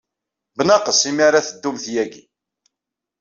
Bnaqes imi ara teddumt yagi.